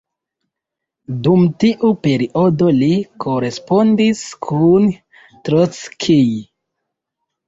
Dum tiu periodo li korespondis kun Trockij.